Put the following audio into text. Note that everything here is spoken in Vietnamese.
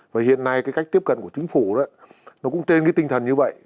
và hiện nay cái cách tiếp cận của chính phủ đó nó cũng trên cái tinh thần như vậy